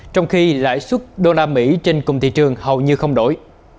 trong khi lãi suất đô la mỹ trên cùng thị trường hầu như không đổi